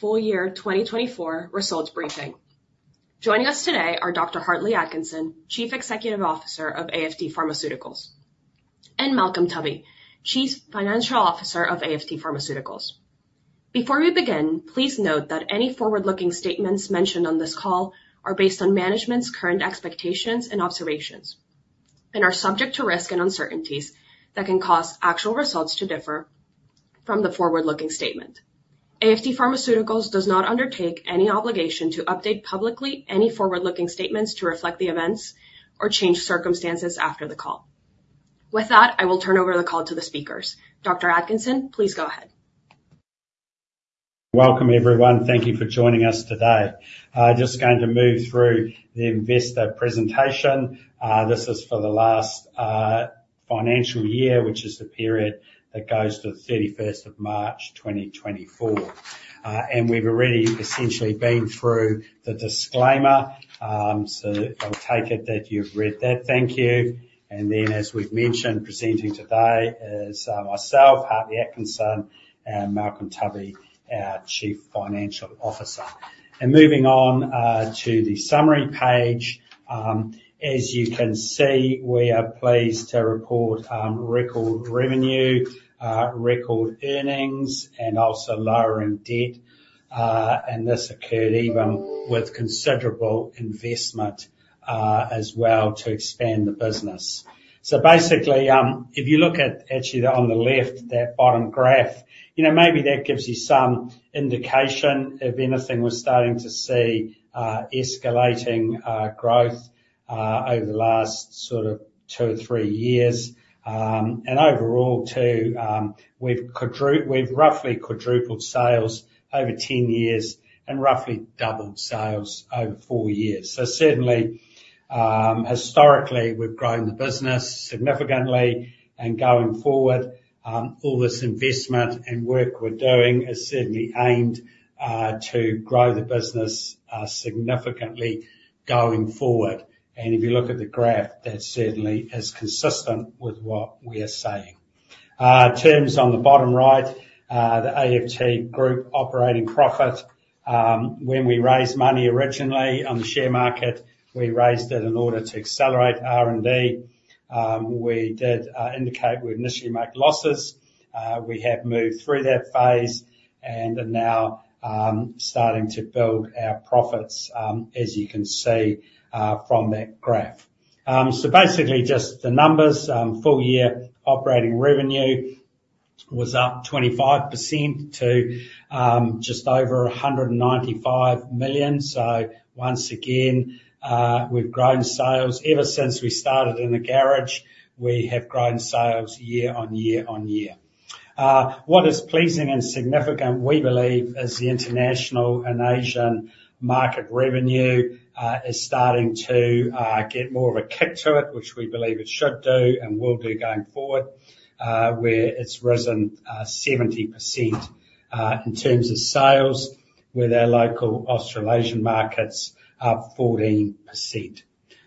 Full year 2024 results briefing. Joining us today are Dr. Hartley Atkinson, Chief Executive Officer of AFT Pharmaceuticals, and Malcolm Tubby, Chief Financial Officer of AFT Pharmaceuticals. Before we begin, please note that any forward-looking statements mentioned on this call are based on management's current expectations and observations, and are subject to risk and uncertainties that can cause actual results to differ from the forward-looking statement. AFT Pharmaceuticals does not undertake any obligation to update publicly any forward-looking statements to reflect the events or change circumstances after the call. With that, I will turn over the call to the speakers. Dr. Atkinson, please go ahead. Welcome, everyone. Thank you for joining us today. Just going to move through the investor presentation. This is for the last financial year, which is the period that goes to the 31st of March, 2024. And we've already essentially been through the disclaimer, so I'll take it that you've read that. Thank you. And then, as we've mentioned, presenting today is myself, Hartley Atkinson, and Malcolm Tubby, our Chief Financial Officer. And moving on to the summary page, as you can see, we are pleased to report record revenue, record earnings, and also lowering debt, and this occurred even with considerable investment as well to expand the business. So basically, if you look at, actually, on the left, that bottom graph, you know, maybe that gives you some indication. If anything, we're starting to see escalating growth over the last sort of two or three years. And overall, too, we've roughly quadrupled sales over 10 years and roughly doubled sales over four years. So certainly, historically, we've grown the business significantly, and going forward, all this investment and work we're doing is certainly aimed to grow the business significantly going forward. And if you look at the graph, that certainly is consistent with what we are saying. Terms on the bottom right, the AFT Group operating profit, when we raised money originally on the share market, we raised it in order to accelerate R&D. We did indicate we'd initially make losses. We have moved through that phase and are now starting to build our profits, as you can see, from that graph. So basically just the numbers, full year operating revenue was up 25% to just over 195 million. So once again, we've grown sales. Ever since we started in a garage, we have grown sales year on year on year. What is pleasing and significant, we believe, is the international and Asian market revenue is starting to get more of a kick to it, which we believe it should do and will do going forward, where it's risen 70% in terms of sales, with our local Australasian markets up 14%.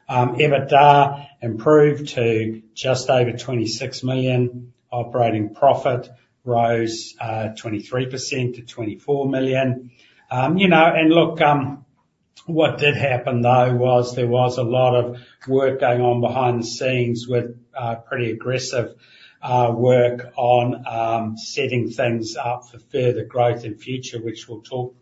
EBITDA improved to just over 26 million. Operating profit rose 23% to 24 million. You know, and look, what did happen, though, was there was a lot of work going on behind the scenes with pretty aggressive work on setting things up for further growth in future, which we'll talk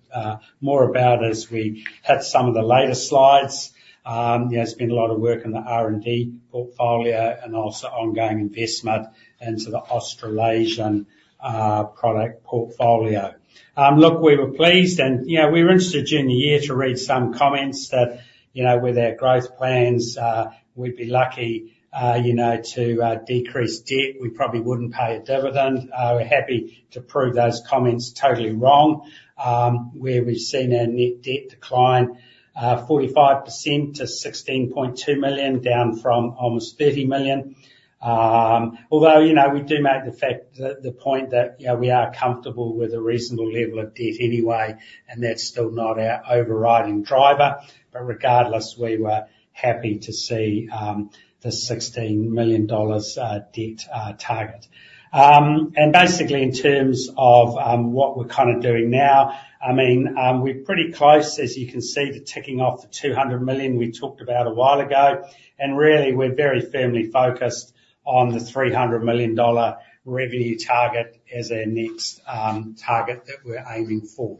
more about as we hit some of the later slides. Yeah, there's been a lot of work in the R&D portfolio and also ongoing investment into the Australasian product portfolio. Look, we were pleased and, you know, we were interested during the year to read some comments that, you know, with our growth plans, we'd be lucky, you know, to decrease debt. We probably wouldn't pay a dividend. We're happy to prove those comments totally wrong, where we've seen our net debt decline 45% to 16.2 million, down from almost 30 million. Although, you know, we do make the point that, you know, we are comfortable with a reasonable level of debt anyway, and that's still not our overriding driver. But regardless, we were happy to see the 16 million dollars debt target. And basically in terms of what we're kind of doing now, I mean, we're pretty close, as you can see, to ticking off the 200 million we talked about a while ago, and really, we're very firmly focused on the 300 million dollar revenue target as our next target that we're aiming for.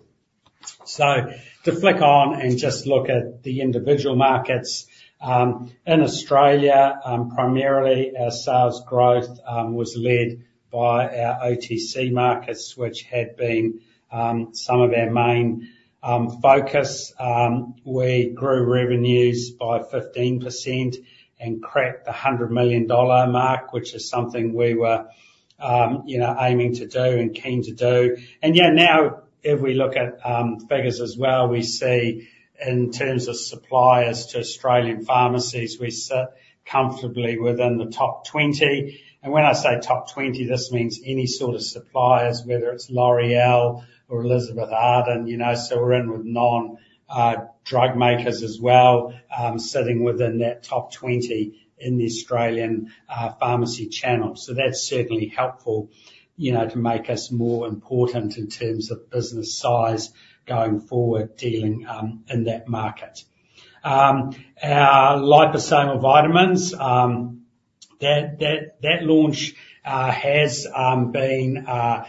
So to flick on and just look at the individual markets, in Australia, primarily our sales growth was led by our OTC markets, which had been some of our main focus. We grew revenues by 15% and cracked the 100 million dollar mark, which is something we were, you know, aiming to do and keen to do. And yeah, now, if we look at figures as well, we see in terms of suppliers to Australian pharmacies, we sit comfortably within the top 20. And when I say top 20, this means any sort of suppliers, whether it's L'Oréal or Elizabeth Arden, you know, so we're in with non drug makers as well, sitting within that top 20 in the Australian pharmacy channel. So that's certainly helpful, you know, to make us more important in terms of business size going forward, dealing in that market. Our liposomal vitamins, that launch has been a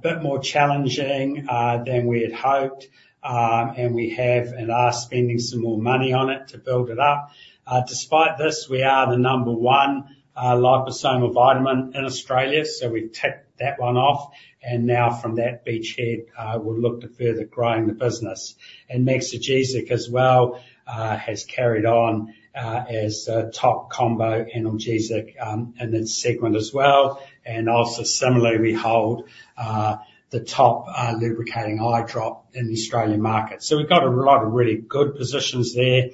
bit more challenging than we had hoped, and we have and are spending some more money on it to build it up. Despite this, we are the number one liposomal vitamin in Australia, so we've ticked that one off, and now from that beachhead, we'll look to further growing the business. Maxigesic as well has carried on as the top combo analgesic in its segment as well. Also similarly, we hold the top lubricating eye drop in the Australian market. So we've got a lot of really good positions there.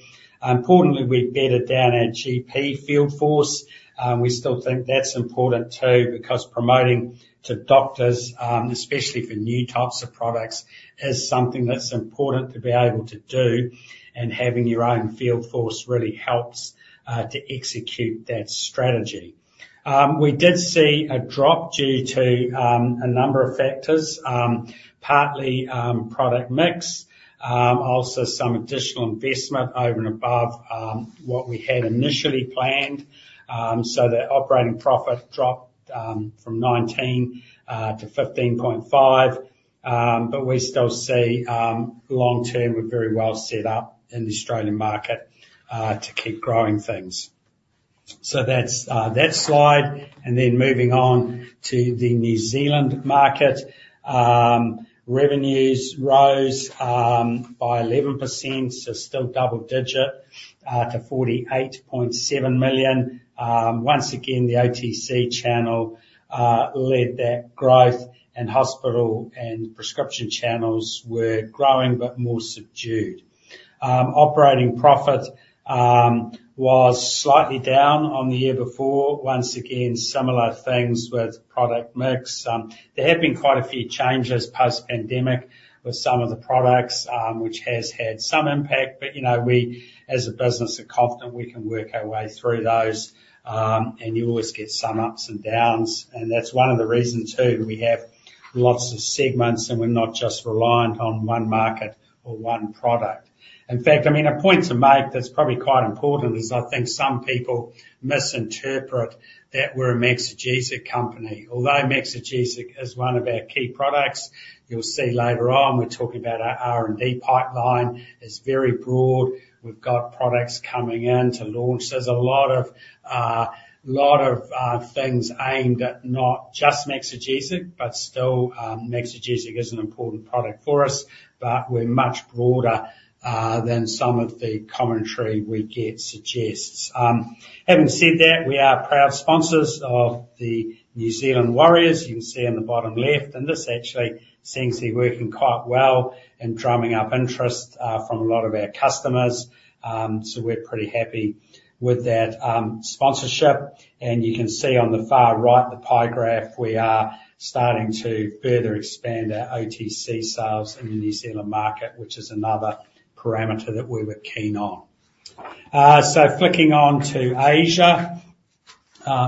Importantly, we've bedded down our GP field force. We still think that's important, too, because promoting to doctors, especially for new types of products, is something that's important to be able to do, and having your own field force really helps to execute that strategy. We did see a drop due to a number of factors, partly product mix, also some additional investment over and above what we had initially planned. So the operating profit dropped from 19 million to 15.5 million, but we still see, long term, we're very well set up in the Australian market to keep growing things. So that's that slide, and then moving on to the New Zealand market. Revenues rose by 11%, so still double digit, to 48.7 million. Once again, the OTC channel led that growth, and hospital and prescription channels were growing, but more subdued. Operating profit was slightly down on the year before. Once again, similar things with product mix. There have been quite a few changes post-pandemic with some of the products, which has had some impact, but, you know, we, as a business, are confident we can work our way through those, and you always get some ups and downs, and that's one of the reasons, too, we have lots of segments, and we're not just reliant on one market or one product. In fact, I mean, a point to make that's probably quite important, is I think some people misinterpret that we're a Maxigesic company. Although Maxigesic is one of our key products, you'll see later on, we're talking about our R&D pipeline. It's very broad. We've got products coming in to launch. There's a lot of things aimed at not just Maxigesic, but still, Maxigesic is an important product for us, but we're much broader than some of the commentary we get suggests. Having said that, we are proud sponsors of the New Zealand Warriors, you can see on the bottom left, and this actually seems to be working quite well in drumming up interest from a lot of our customers, so we're pretty happy with that sponsorship. And you can see on the far right, the pie graph, we are starting to further expand our OTC sales in the New Zealand market, which is another parameter that we were keen on. So flicking on to Asia.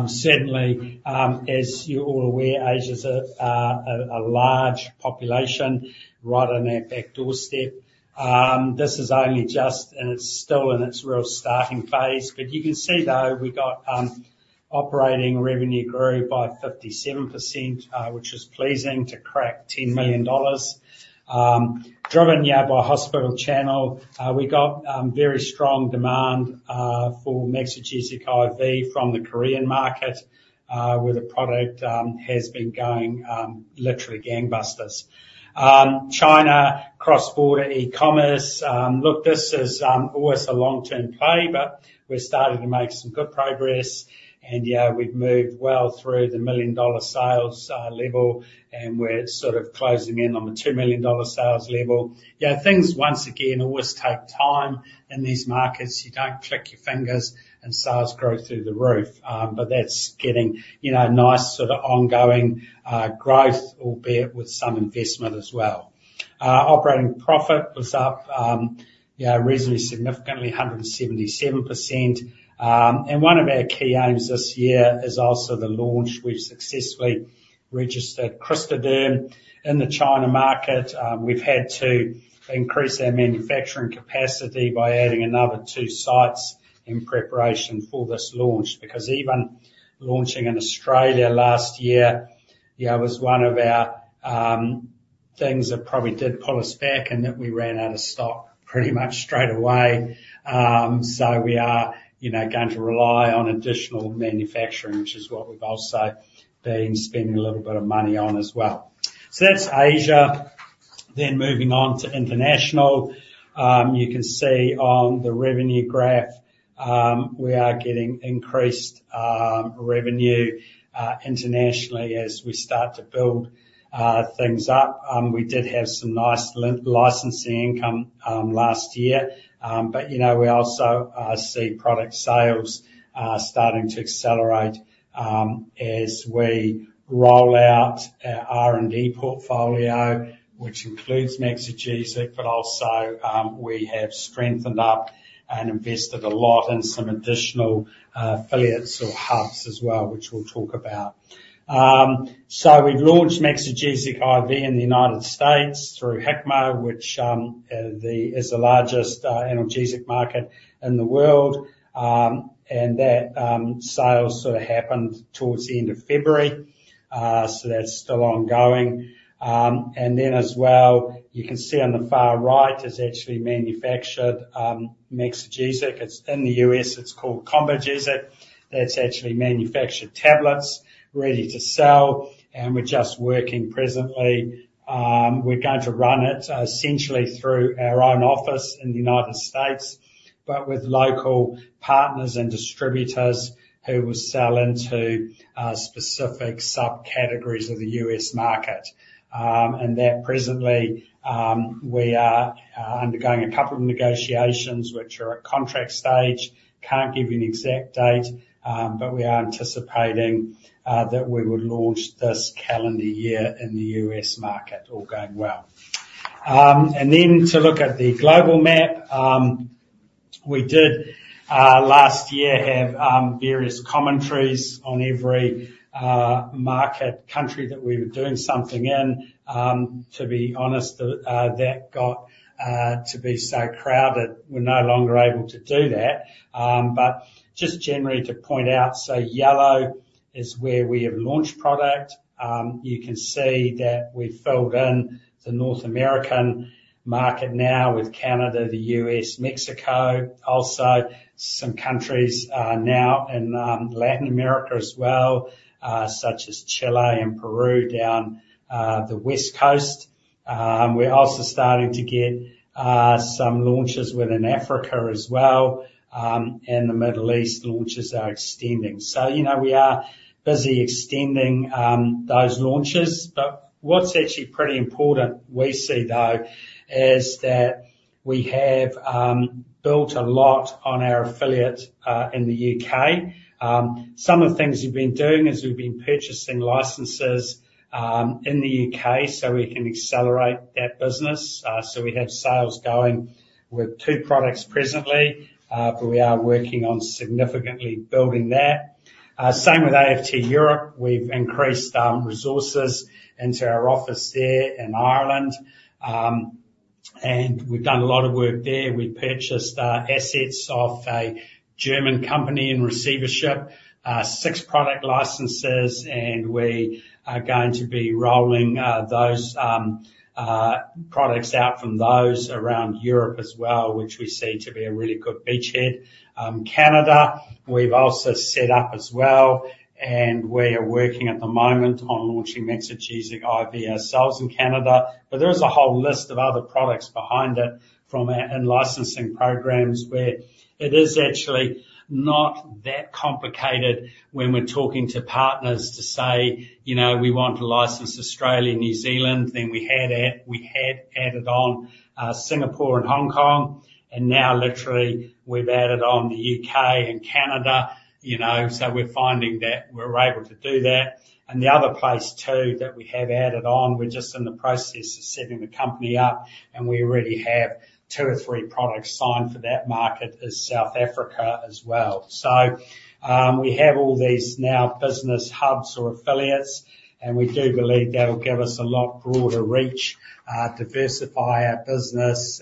Certainly, as you're all aware, Asia's a large population right on our backdoor step. This is only just, and it's still in its real starting phase, but you can see, though, we got operating revenue grew by 57%, which was pleasing, to crack 10 million dollars. Driven, yeah, by hospital channel, we got very strong demand for Maxigesic IV from the Korea market, where the product has been going literally gangbusters. China, cross-border e-commerce, look, this is always a long-term play, but we're starting to make some good progress, and yeah, we've moved well through the 1 million dollar sales level, and we're sort of closing in on the 2 million sales level. You know, things, once again, always take time in these markets. You don't click your fingers and sales grow through the roof, but that's getting, you know, a nice sort of ongoing growth, albeit with some investment as well. Operating profit was up reasonably significantly, 177%. One of our key aims this year is also the launch. We've successfully registered Crystaderm in the China market. We've had to increase our manufacturing capacity by adding another two sites in preparation for this launch, because even launching in Australia last year was one of our things that probably did pull us back in that we ran out of stock pretty much straight away. So we are, you know, going to rely on additional manufacturing, which is what we've also been spending a little bit of money on as well. So that's Asia. Then moving on to international. You can see on the revenue graph, we are getting increased revenue internationally as we start to build things up. We did have some nice licensing income last year, but, you know, we also see product sales starting to accelerate as we roll out our R&D portfolio, which includes Maxigesic, but also, we have strengthened up and invested a lot in some additional affiliates or hubs as well, which we'll talk about. So we've launched Maxigesic IV in the United States through Hikma, which is the largest analgesic market in the world, and that sale sort of happened towards the end of February, so that's still ongoing. And then as well, you can see on the far right, is actually manufactured Maxigesic. It's in the U.S., it's called Combogesic, that's actually manufactured tablets ready to sell, and we're just working presently. We're going to run it essentially through our own office in the United States, but with local partners and distributors who will sell into specific subcategories of the U.S. market. And that presently, we are undergoing a couple of negotiations which are at contract stage. Can't give you an exact date, but we are anticipating that we would launch this calendar year in the U.S. market, all going well. And then to look at the global map, we did last year have various commentaries on every market country that we were doing something in. To be honest, that got to be so crowded, we're no longer able to do that. But just generally to point out, so yellow is where we have launched product. You can see that we've filled in the North American market now with Canada, the U.S., Mexico, also some countries now in Latin America as well, such as Chile and Peru, down the west coast. We're also starting to get some launches within Africa as well, and the Middle East launches are extending. So, you know, we are busy extending those launches, but what's actually pretty important we see, though, is that we have built a lot on our affiliate in the U.K. Some of the things we've been doing is we've been purchasing licenses in the U.K. so we can accelerate that business. So, we have sales going with two products presently, but we are working on significantly building that. Same with AFT Europe. We've increased resources into our office there in Ireland, and we've done a lot of work there. We've purchased assets off a German company in receivership, six product licenses, and we are going to be rolling those products out from those around Europe as well, which we see to be a really good beachhead. Canada, we've also set up as well, and we are working at the moment on launching Maxigesic IV ourselves in Canada. But there is a whole list of other products behind it, from our in-licensing programs, where it is actually not that complicated when we're talking to partners to say, "You know, we want to license Australia, New Zealand." Then we had added on Singapore and Hong Kong, and now literally we've added on the U.K. and Canada, you know, so we're finding that we're able to do that. And the other place, too, that we have added on, we're just in the process of setting the company up, and we already have two or three products signed for that market, is South Africa as well. So we have all these now business hubs or affiliates, and we do believe that will give us a lot broader reach, diversify our business,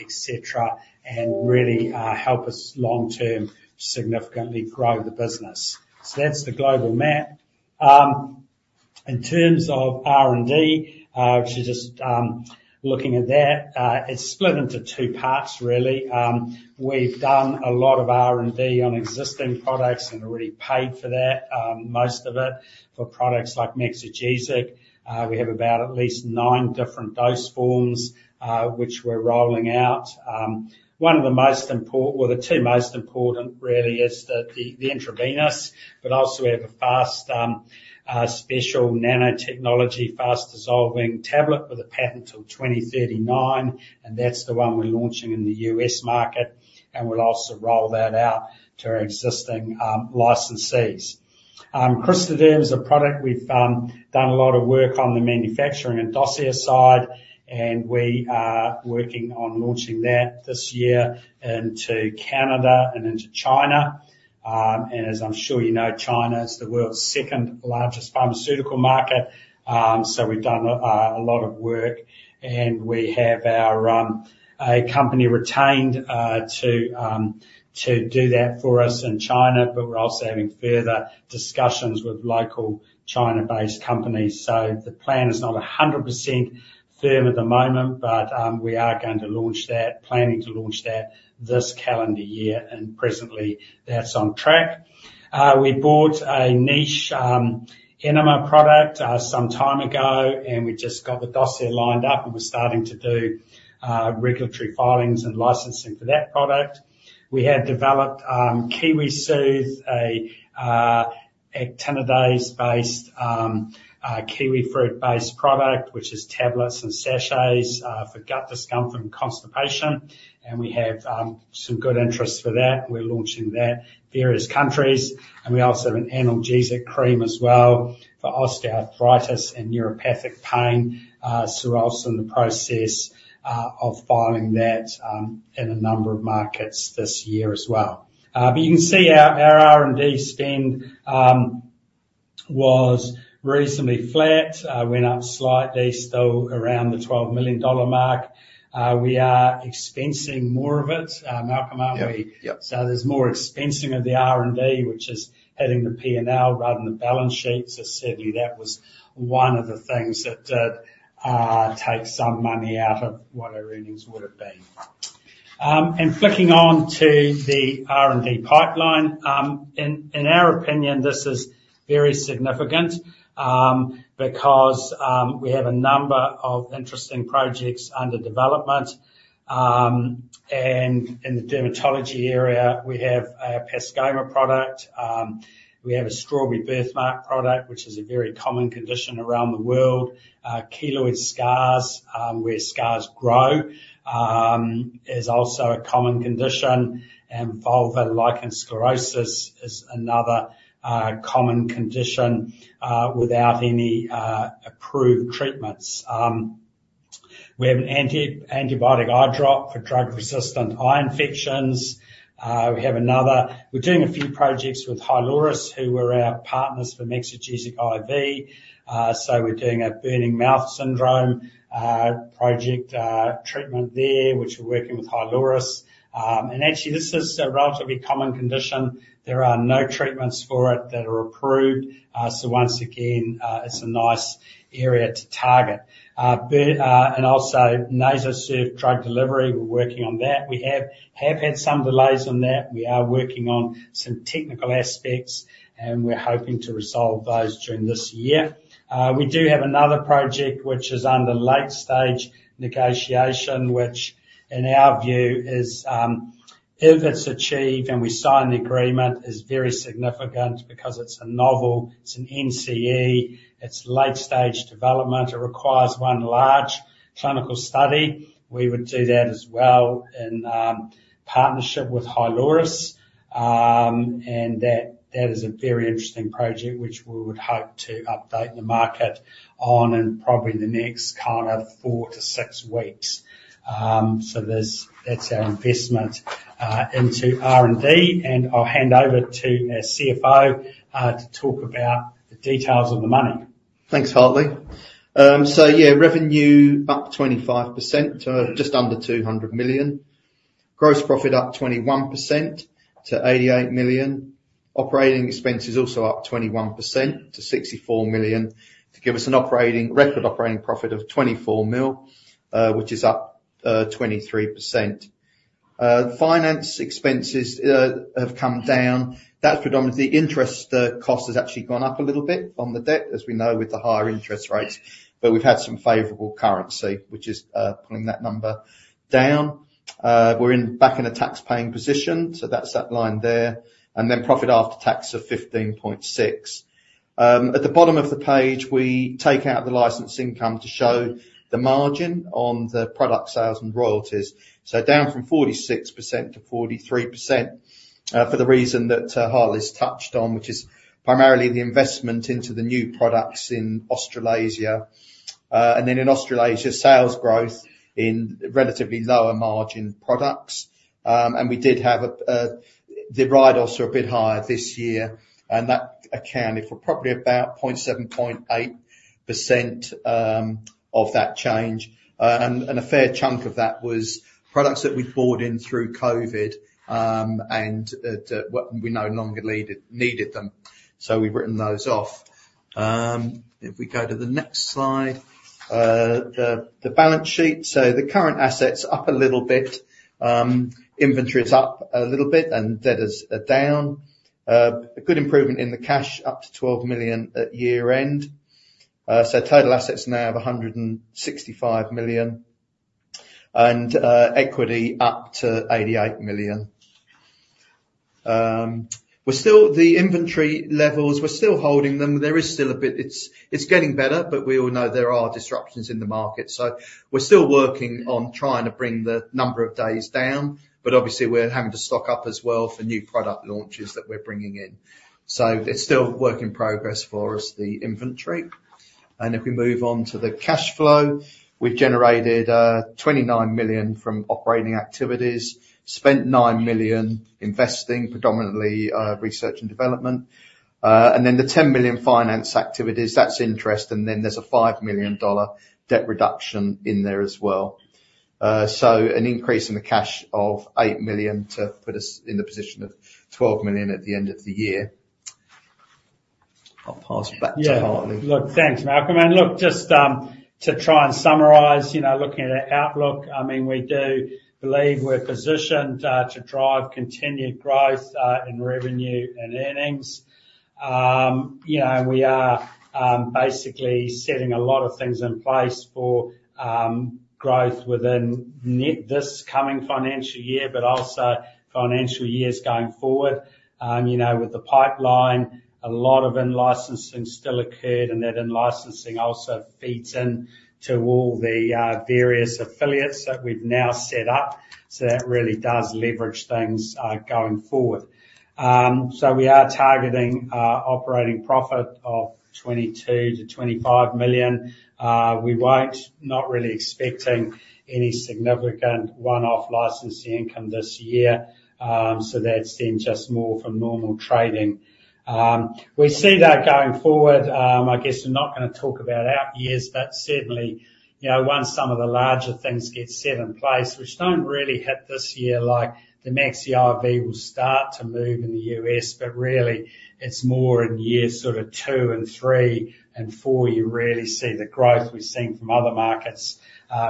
et cetera, and really help us long-term, significantly grow the business. So that's the global map. In terms of R&D, looking at that, it's split into two parts really. We've done a lot of R&D on existing products and already paid for that, most of it. For products like Maxigesic, we have about at least 9 different dose forms, which we're rolling out. Well, the two most important really is the intravenous, but also we have a fast special nanotechnology, fast-dissolving tablet with a patent till 2039, and that's the one we're launching in the U.S. market, and we'll also roll that out to our existing licensees. Crystaderm is a product we've done a lot of work on the manufacturing and dossier side, and we are working on launching that this year into Canada and into China. As I'm sure you know, China is the world's second largest pharmaceutical market. So we've done a lot of work, and we have a company retained to do that for us in China, but we're also having further discussions with local China-based companies. So the plan is not 100% firm at the moment, but we are going to launch that, planning to launch that this calendar year, and presently that's on track. We bought a niche enema product some time ago, and we just got the dossier lined up, and we're starting to do regulatory filings and licensing for that product. We have developed KiwiSoothe, an actinidin-based kiwifruit-based product, which is tablets and sachets for gut discomfort and constipation, and we have some good interest for that. We're launching that in various countries. We also have an analgesic cream as well for osteoarthritis and neuropathic pain, so we're also in the process of filing that in a number of markets this year as well. But you can see our R&D spend was reasonably flat, went up slightly, still around the 12 million dollar mark. We are expensing more of it, Malcolm, aren't we? Yep, yep. So there's more expensing of the R&D, which is hitting the P&L rather than the balance sheet. Certainly, that was one of the things that did take some money out of what our earnings would have been. Flicking on to the R&D pipeline. In our opinion, this is very significant, because we have a number of interesting projects under development. In the dermatology area, we have a Pascomer product, we have a strawberry birthmark product, which is a very common condition around the world. Keloid scars, where scars grow, is also a common condition, and vulvar lichen sclerosus is another common condition without any approved treatments. We have an antibiotic eye drop for drug-resistant eye infections. We're doing a few projects with Hyloris, who were our partners for Maxigesic IV. So we're doing a Burning mouth syndrome project, treatment there, which we're working with Hyloris. And actually, this is a relatively common condition. There are no treatments for it that are approved. So once again, it's a nice area to target. But and also NasoSURF drug delivery, we're working on that. We have had some delays on that. We are working on some technical aspects, and we're hoping to resolve those during this year. We do have another project which is under late stage negotiation, which, in our view, is, if it's achieved, and we sign the agreement, is very significant because it's a novel, it's an NCE, it's late stage development. It requires one large clinical study. We would do that as well in partnership with Hyloris, and that is a very interesting project which we would hope to update the market on in probably the next kind of four to six weeks. So that's our investment to talk about the details of the money. Thanks, Hartley. So yeah, revenue up 25% to just under 200 million. Gross profit up 21% to 88 million. Operating expenses also up 21% to 64 million, to give us a record operating profit of 24 million, which is up 23%. Finance expenses have come down. That's predominantly interest cost has actually gone up a little bit on the debt, as we know, with the higher interest rates, but we've had some favorable currency, which is pulling that number down. We're back in a tax paying position, so that's that line there, and then profit after tax of 15.6 million. At the bottom of the page, we take out the license income to show the margin on the product sales and royalties. So down from 46% to 43%, for the reason that Hartley's touched on, which is primarily the investment into the new products in Australasia. And then in Australasia, sales growth in relatively lower margin products, and we did have the write-offs are a bit higher this year, and that accounted for probably about 0.7, 0.8% of that change. And a fair chunk of that was products that we'd bought in through COVID, and that, well, we no longer needed them, so we've written those off. If we go to the next slide, the balance sheet. So the current assets up a little bit. Inventory is up a little bit and debt is down. A good improvement in the cash, up to 12 million at year-end. So total assets now have 165 million, and equity up to 88 million. We're still, the inventory levels, we're still holding them. There is still a bit, it's, it's getting better, but we all know there are disruptions in the market. So we're still working on trying to bring the number of days down, but obviously we're having to stock up as well for new product launches that we're bringing in. So it's still work in progress for us, the inventory. And if we move on to the cash flow, we've generated 29 million from operating activities, spent 9 million investing, predominantly research and development, and then the 10 million finance activities, that's interest, and then there's a NZD 5 million debt reduction in there as well. So an increase in the cash of 8 million to put us in the position of 12 million at the end of the year. I'll pass back to Hartley. Yeah. Look, thanks, Malcolm, and look, just to try and summarize, you know, looking at our outlook, I mean, we do believe we're positioned to drive continued growth in revenue and earnings. You know, and we are basically setting a lot of things in place for growth within this coming financial year, but also financial years going forward. You know, with the pipeline, a lot of in-licensing still occurred, and that in-licensing also feeds into all the various affiliates that we've now set up. So that really does leverage things going forward. So we are targeting operating profit of 22 million-25 million. We're not really expecting any significant one-off licensing income this year, so that's then just more from normal trading. We see that going forward, I guess we're not gonna talk about out years, but certainly, you know, once some of the larger things get set in place, which don't really hit this year, like the Maxigesic IV will start to move in the U.S., but really it's more in year sort of 2 and 3 and 4, you really see the growth we're seeing from other markets.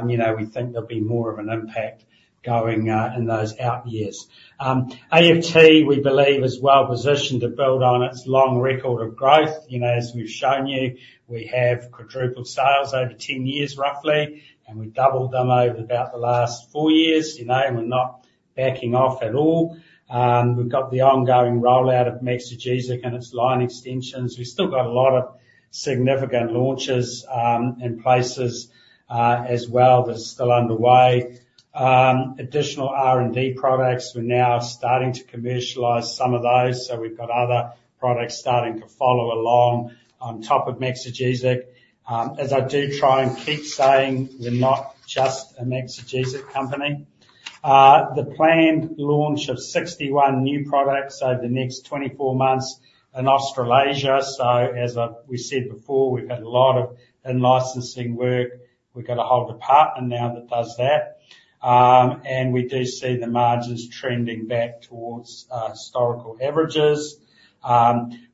You know, we think there'll be more of an impact going in those out years. AFT, we believe, is well positioned to build on its long record of growth. You know, as we've shown you, we have quadrupled sales over 10 years, roughly, and we've doubled them over about the last 4 years, you know, and we're not backing off at all. We've got the ongoing rollout of Maxigesic and its line extensions. We've still got a lot of significant launches in places as well that are still underway. Additional R&D products, we're now starting to commercialize some of those, so we've got other products starting to follow along on top of Maxigesic. As I do try and keep saying, we're not just a Maxigesic company. The planned launch of 61 new products over the next 24 months in Australasia, so as we've said before, we've had a lot of in-licensing work. We've got a whole department now that does that. And we do see the margins trending back towards historical averages.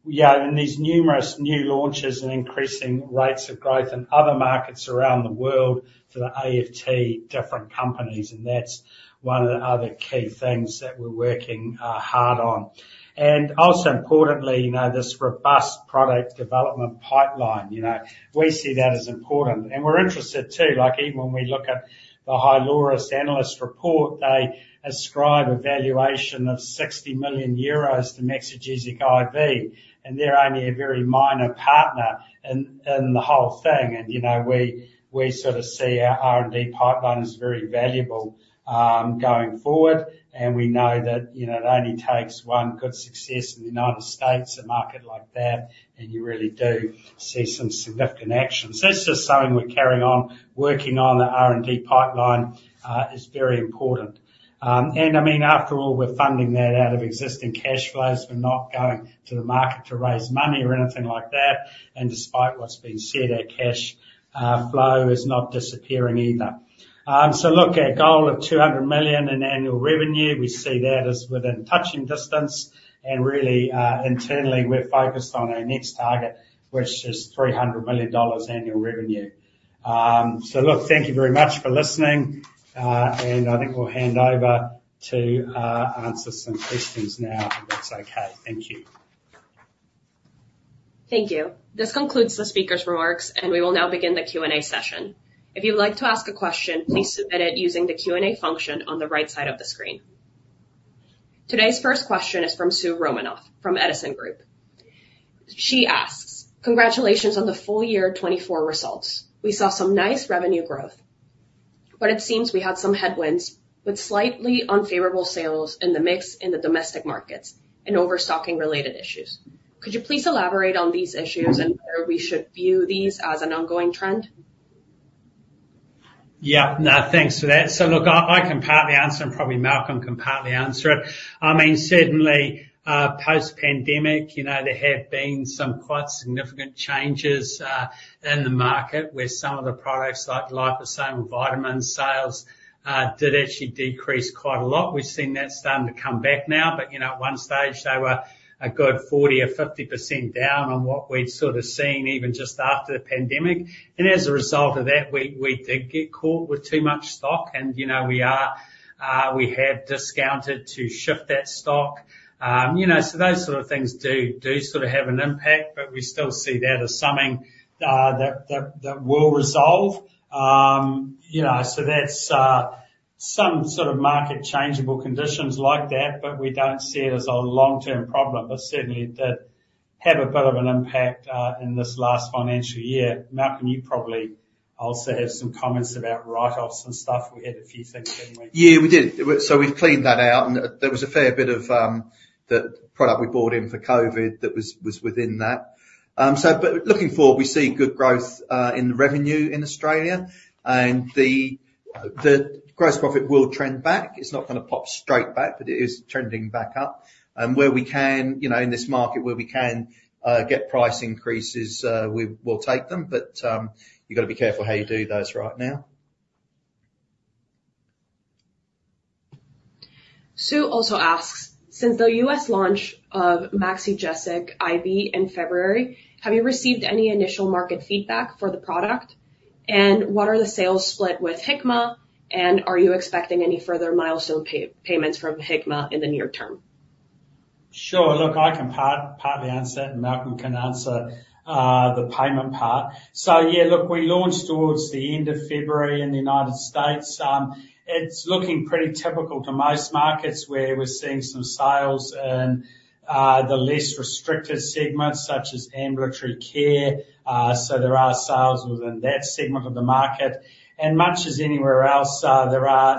Yeah, and these numerous new launches and increasing rates of growth in other markets around the world for the AFT different companies, and that's one of the other key things that we're working hard on. Also importantly, you know, this robust product development pipeline, you know, we see that as important, and we're interested, too, like, even when we look at the Hyloris analyst report, they ascribe a valuation of 60 million euros to Maxigesic IV, and they're only a very minor partner in the whole thing. And, you know, we, we sort of see our R&D pipeline as very valuable, going forward, and we know that, you know, it only takes one good success in the United States, a market like that, and you really do see some significant action. So that's just something we're carrying on, working on, the R&D pipeline is very important. And, I mean, after all, we're funding that out of existing cash flows. We're not going to the market to raise money or anything like that, and despite what's been said, our cash flow is not disappearing either. So look, our goal of 200 million in annual revenue, we see that as within touching distance, and really, internally, we're focused on our next target, which is 300 million dollars annual revenue. So look, thank you very much for listening, and I think we'll hand over to answer some questions now, if that's okay. Thank you. Thank you. This concludes the speaker's remarks, and we will now begin the Q&A session. If you'd like to ask a question, please submit it using the Q&A function on the right side of the screen. Today's first question is from Soo Romanoff, from Edison Group. She asks: Congratulations on the full year 2024 results. We saw some nice revenue growth, but it seems we had some headwinds with slightly unfavorable sales in the mix in the domestic markets and overstocking related issues. Could you please elaborate on these issues and whether we should view these as an ongoing trend? Yeah. No, thanks for that. So look, I can partly answer, and probably Malcolm can partly answer it. I mean, certainly, post-pandemic, you know, there have been some quite significant changes in the market, where some of the products, like liposomal vitamin sales, did actually decrease quite a lot. We've seen that starting to come back now, but, you know, at one stage, they were a good 40% or 50% down on what we'd sort of seen even just after the pandemic. And as a result of that, we did get caught with too much stock, and, you know, we are, we have discounted to shift that stock. You know, so those sort of things do sort of have an impact, but we still see that as something that will resolve. You know, so that's some sort of market changeable conditions like that, but we don't see it as a long-term problem. But certainly, it did have a bit of an impact in this last financial year. Malcolm, you probably also have some comments about write-offs and stuff. We had a few things, didn't we? Yeah, we did. So we've cleaned that out, and there was a fair bit of the product we bought in for COVID that was within that. So but looking forward, we see good growth in the revenue in Australia, and the gross profit will trend back. It's not gonna pop straight back, but it is trending back up, and where we can, you know, in this market, where we can get price increases, we will take them, but you've got to be careful how you do those right now. Sue also asks: Since the U.S. launch of Maxigesic IV in February, have you received any initial market feedback for the product? And what are the sales split with Hikma, and are you expecting any further milestone payments from Hikma in the near term? Sure. Look, I can partly answer that, and Malcolm can answer the payment part. So yeah, look, we launched towards the end of February in the United States. It's looking pretty typical to most markets, where we're seeing some sales in the less restricted segments, such as ambulatory care. So there are sales within that segment of the market, and much as anywhere else, there are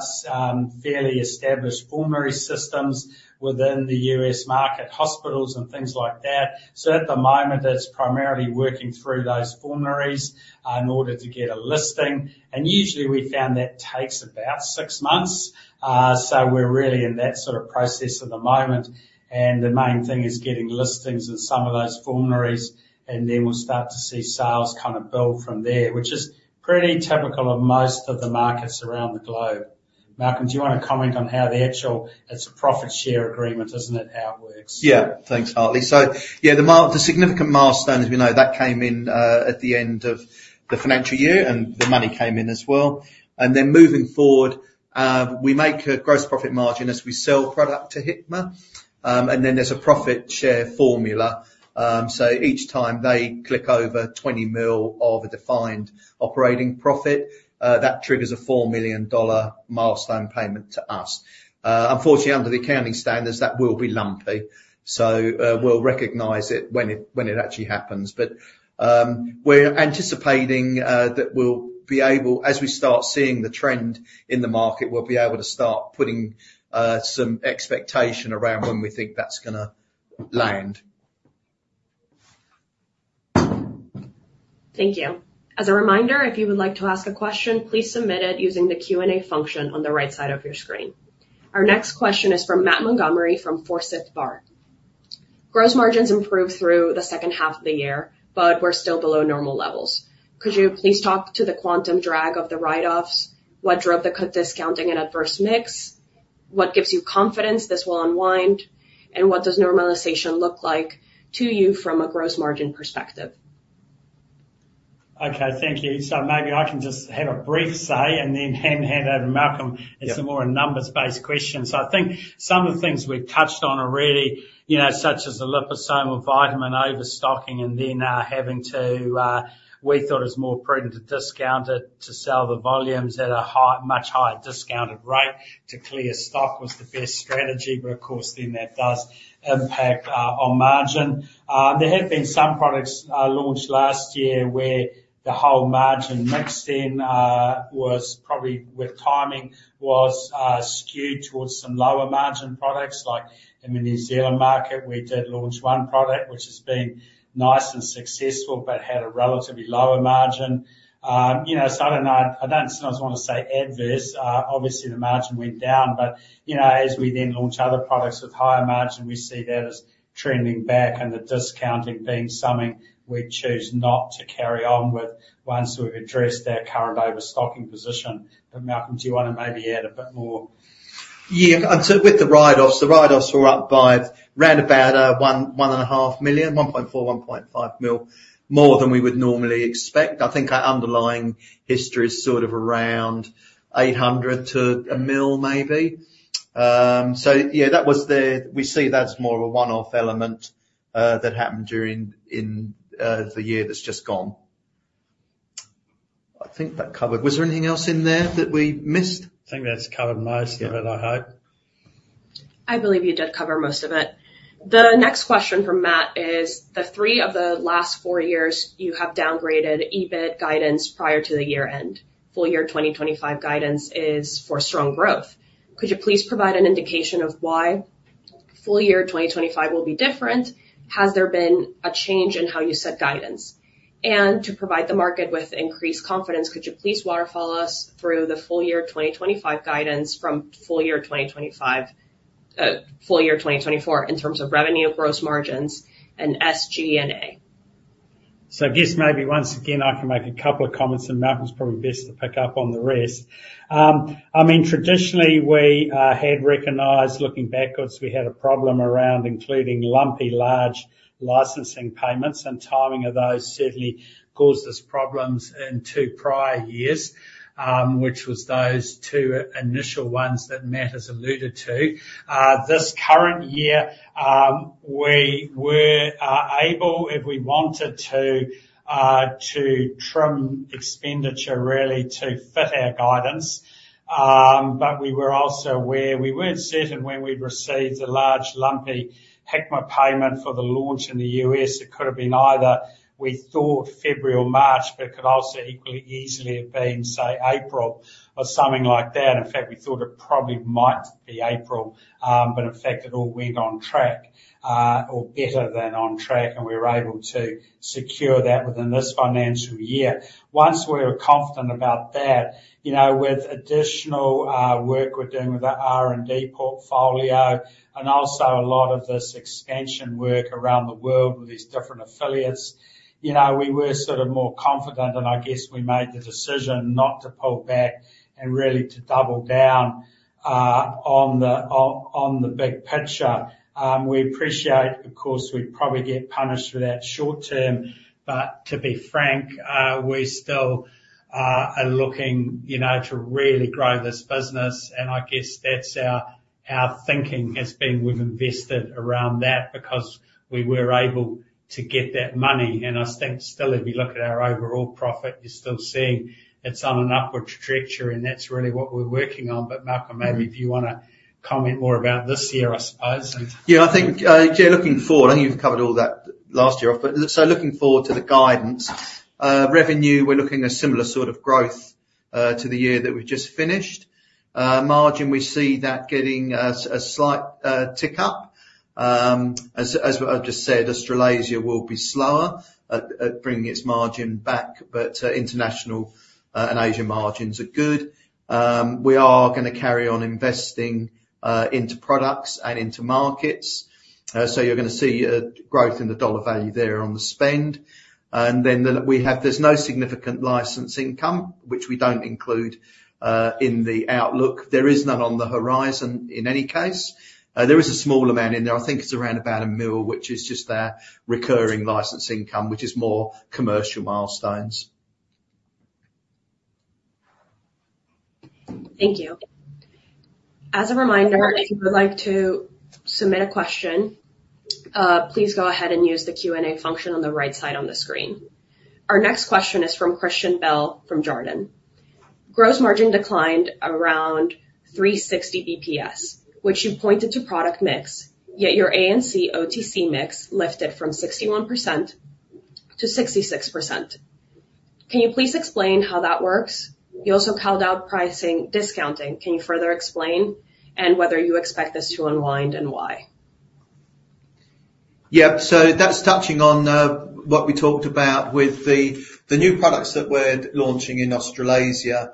fairly established formulary systems within the U.S. market, hospitals and things like that. So at the moment, it's primarily working through those formularies in order to get a listing, and usually we found that takes about six months. So we're really in that sort of process at the moment, and the main thing is getting listings in some of those formularies, and then we'll start to see sales kind of build from there, which is pretty typical of most of the markets around the globe. Malcolm, do you want to comment on how the actual - it's a profit share agreement, isn't it, how it works? Yeah. Thanks, Hartley. So yeah, the significant milestone, as we know, that came in at the end of the financial year, and the money came in as well. And then moving forward, we make a gross profit margin as we sell product to Hikma, and then there's a profit share formula. So each time they click over $20 million of a defined operating profit, that triggers a $4 million milestone payment to us. Unfortunately, under the accounting standards, that will be lumpy, so we'll recognize it when it actually happens. But, we're anticipating that we'll be able—as we start seeing the trend in the market, we'll be able to start putting some expectation around when we think that's gonna land. Thank you. As a reminder, if you would like to ask a question, please submit it using the Q&A function on the right side of your screen. Our next question is from Matt Montgomerie, from Forsyth Barr. Gross margins improved through the second half of the year, but were still below normal levels. Could you please talk to the quantum drag of the write-offs? What drove the cut discounting and adverse mix? What gives you confidence this will unwind? And what does normalization look like to you from a gross margin perspective? Okay, thank you. So maybe I can just have a brief say, and then hand, hand over to Malcolm- Yeah. It's a more numbers-based question. So I think some of the things we've touched on already, you know, such as the liposomal vitamin overstocking and then, having to, we thought it was more prudent to discount it, to sell the volumes at a much higher discounted rate, to clear stock was the best strategy, but of course, then that does impact on margin. There have been some products launched last year, where the whole margin mix then was probably, with timing, was skewed towards some lower margin products like in the New Zealand market, we did launch one product, which has been nice and successful, but had a relatively lower margin. You know, so I don't know, I don't sometimes wanna say adverse. Obviously, the margin went down, but, you know, as we then launch other products with higher margin, we see that as trending back, and the discounting being something we'd choose not to carry on with once we've addressed our current overstocking position. Malcolm, do you wanna maybe add a bit more? Yeah. And so with the write-offs, the write-offs were up by around 1.4 million-1.5 million, more than we would normally expect. I think our underlying history is sort of around 800,000-1 million, maybe. So yeah, that was. We see that as more of a one-off element that happened during the year that's just gone. I think that covered. Was there anything else in there that we missed? I think that's covered most of it, I hope. I believe you did cover most of it. The next question from Matt is, the 3 years of the last 4 years, you have downgraded EBIT guidance prior to the year-end. Full year 2025 guidance is for strong growth. Could you please provide an indication of why full year 2025 will be different? Has there been a change in how you set guidance? And to provide the market with increased confidence, could you please waterfall us through the full year 2025 guidance from full year 2025, full year 2024, in terms of revenue, gross margins, and SG&A? So I guess maybe once again, I can make a couple of comments, then Malcolm's probably best to pick up on the rest. I mean, traditionally we had recognized, looking backwards, we had a problem around including lumpy, large licensing payments, and timing of those certainly caused us problems in two prior years, which was those two initial ones that Matt has alluded to. This current year, we were able, if we wanted to, to trim expenditure really to fit our guidance. But we were also aware, we weren't certain when we'd receive the large, lumpy Hikma payment for the launch in the U.S.. It could have been either, we thought February or March, but could also equally easily have been, say, April or something like that. In fact, we thought it probably might be April, but in fact, it all went on track, or better than on track, and we were able to secure that within this financial year. Once we were confident about that, you know, with additional work we're doing with the R&D portfolio, and also a lot of this expansion work around the world with these different affiliates, you know, we were sort of more confident, and I guess we made the decision not to pull back and really to double down on the big picture. We appreciate, of course, we'd probably get punished for that short term, but to be frank, we still are looking, you know, to really grow this business. I guess that's our thinking has been we've invested around that, because we were able to get that money. I think still, if you look at our overall profit, you're still seeing it's on an upward trajectory, and that's really what we're working on. But Malcolm, maybe if you wanna comment more about this year, I suppose, and- Yeah, I think, yeah, looking forward, I think you've covered all that last year off. But so looking forward to the guidance, revenue, we're looking at similar sort of growth to the year that we've just finished. Margin, we see that getting a slight tick up. As I've just said, Australasia will be slower at bringing its margin back, but international and Asia margins are good. We are gonna carry on investing into products and into markets. So you're gonna see a growth in the dollar value there on the spend. And then we have - there's no significant license income, which we don't include in the outlook. There is none on the horizon, in any case. There is a small amount in there, I think it's around about 1 million, which is just our recurring license income, which is more commercial milestones. Thank you. As a reminder, if you would like to submit a question, please go ahead and use the Q&A function on the right side on the screen. Our next question is from Christian Bell from Jarden Securities. Gross margin declined around 360 basis points, which you pointed to product mix, yet your ANZ OTC mix lifted from 61% to 66%. Can you please explain how that works? You also called out pricing discounting. Can you further explain, and whether you expect this to unwind, and why? Yep. So that's touching on what we talked about with the new products that we're launching in Australasia.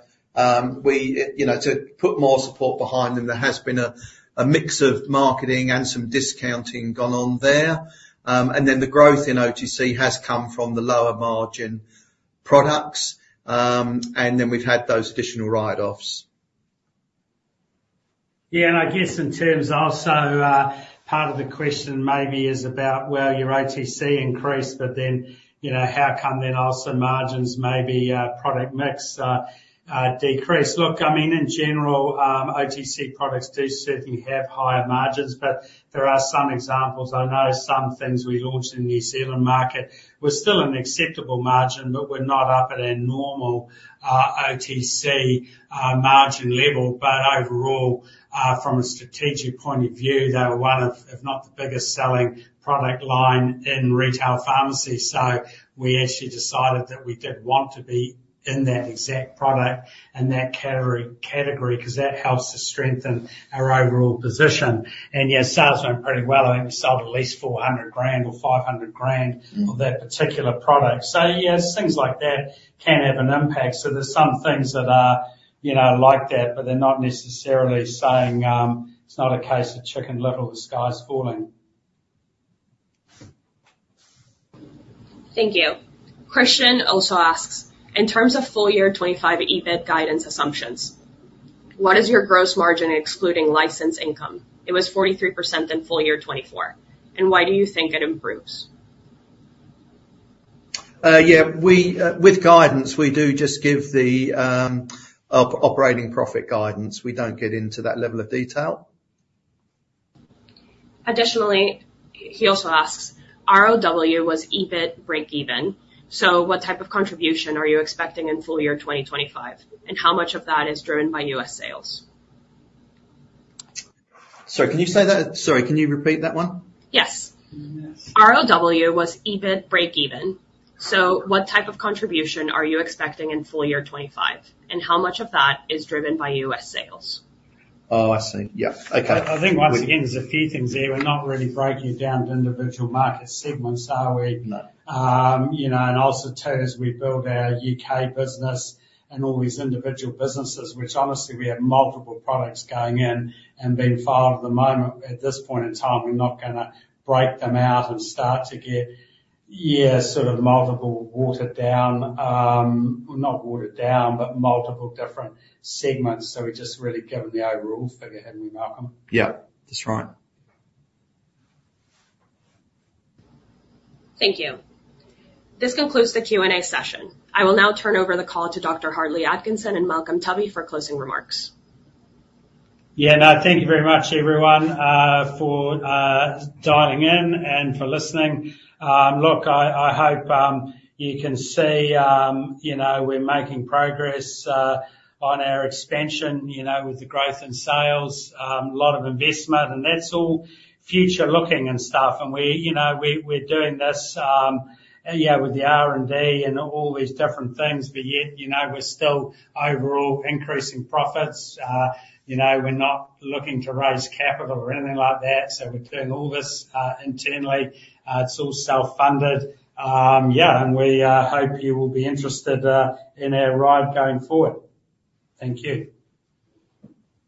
We, you know, to put more support behind them, there has been a mix of marketing and some discounting going on there. And then the growth in OTC has come from the lower margin products, and then we've had those additional write-offs. Yeah, and I guess in terms also, part of the question maybe is about, well, your OTC increased, but then, you know, how come then also margins, maybe, product mix, decreased? Look, I mean, in general, OTC products do certainly have higher margins, but there are some examples. I know some things we launched in the New Zealand market were still an acceptable margin, but were not up at our normal, OTC, margin level. But overall, from a strategic point of view, they were one of, if not the biggest selling product line in retail pharmacy. So we actually decided that we did want to be in that exact product and that category, category, 'cause that helps to strengthen our overall position. And yeah, sales went pretty well. I think we sold at least 400,000 or 500,000- Mm-hmm. -for that particular product. So yeah, things like that can have an impact. So there's some things that are, you know, like that, but they're not necessarily saying, it's not a case of Chicken Little, the sky's falling. Thank you. Christian also asks, "In terms of full year 2025 EBIT guidance assumptions, what is your gross margin excluding license income? It was 43% in full year 2024. And why do you think it improves? Yeah, with guidance, we do just give the operating profit guidance. We don't get into that level of detail. Additionally, he also asks, "ROW was EBIT break even, so what type of contribution are you expecting in full year 2025, and how much of that is driven by U.S. sales? Sorry, can you repeat that one? Yes. ROW was EBIT break even, so what type of contribution are you expecting in full year 2025, and how much of that is driven by U.S. sales? Oh, I see. Yeah. Okay. I think once again, there's a few things there. We're not really breaking it down to individual market segments, are we? No. You know, and also too, as we build our U.K. business and all these individual businesses, which honestly, we have multiple products going in and being filed at the moment, at this point in time, we're not gonna break them out and start to get, yeah, sort of multiple watered down, well, not watered down, but multiple different segments. So we're just really giving the overall figure, haven't we, Malcolm? Yeah, that's right. Thank you. This concludes the Q&A session. I will now turn over the call to Dr. Hartley Atkinson and Malcolm Tubby for closing remarks. Yeah, no, thank you very much, everyone, for dialing in and for listening. Look, I hope you can see, you know, we're making progress on our expansion, you know, with the growth in sales, a lot of investment, and that's all future-looking and stuff. And we, you know, we're doing this, yeah, with the R&D and all these different things, but yet, you know, we're still overall increasing profits. You know, we're not looking to raise capital or anything like that, so we're doing all this internally. It's all self-funded. Yeah, and we hope you will be interested in our ride going forward. Thank you.